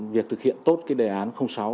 việc thực hiện tốt cái đề án sáu